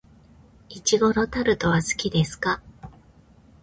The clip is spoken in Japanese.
苺のタルトは好きですか。